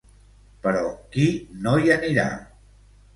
Però qui no hi anirà?